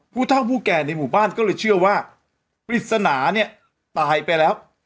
ผู้เท่าผู้แก่ในหมู่บ้านก็เลยเชื่อว่าปริศนาเนี่ยตายไปแล้ว